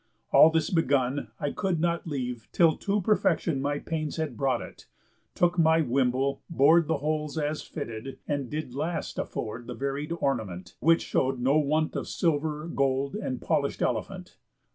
All this begun, I could not leave till to perfection My pains had brought it; took my wimble, bor'd The holes, as fitted, and did last afford The varied ornament, which show'd no want Of silver, gold, and polish'd elephant.